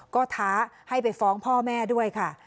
ก็ท้าให้ไปฟ้องพ่อแม่ด้วยค่ะ